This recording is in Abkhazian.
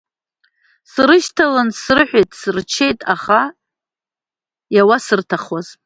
Срышьҭалан срыҳәеит-сырчеит, аха иаусырҭахуаз.